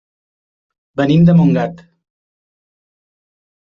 Venim de Montgat.